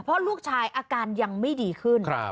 เพราะลูกชายอาการยังไม่ดีขึ้น